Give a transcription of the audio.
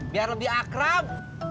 biar lebih akrab